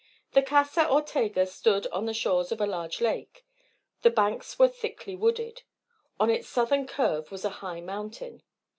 The Casa Ortega stood on the shores of a large lake. The banks were thickly wooded. On its southern curve was a high mountain.